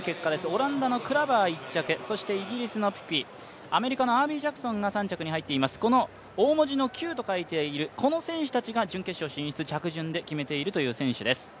オランダのクラバー１着そしてイギリスのピピ、アメリカのアービージャクソンが３着に入っています、この大文字のＱと書いてあるこの選手たちが準決勝進出、着順で決めているという選手です。